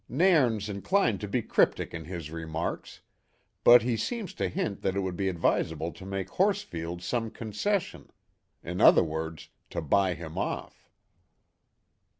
Nairn's inclined to be cryptic in his remarks; but he seems to hint that it would be advisable to make Horsfield some concession in other words, to buy him off."